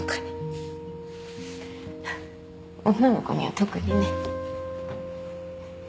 女の子には特にね。